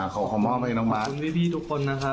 ขอขอบค์มาให้น้องบาร์ส